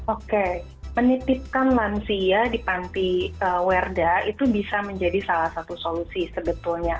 oke menitipkan lansia di pantiwerda itu bisa menjadi salah satu solusi sebetulnya